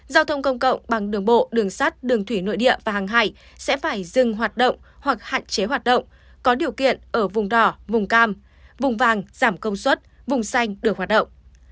giao thông công cộng bằng đường bộ đường sắt đường thủy nội địa và hàng hải sẽ phải dừng hoạt động hoặc hạn chế hoạt động có điều kiện ở vùng đỏ vùng cam vùng vàng giảm công suất vùng xanh được hoạt động